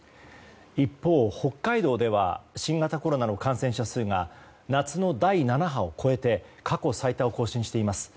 一方、北海道では新型コロナの感染者数が夏の第７波を超えて過去最多を更新しています。